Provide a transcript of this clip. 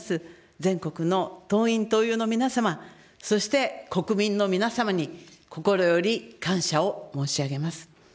全国の党員・党友の皆様、そして国民の皆様に、心より感謝を申し上げます。